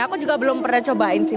aku juga belum pernah cobain sih